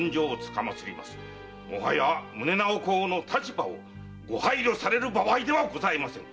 もはや宗直公の立場をご配慮される場合ではございません。